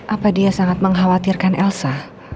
apa dia sangat mengkhawatirkan elsa